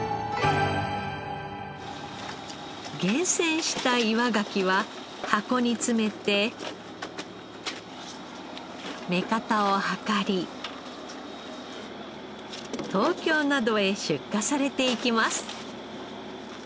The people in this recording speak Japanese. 厳選した岩ガキは箱に詰めて目方を量り東京などへ出荷されていきます。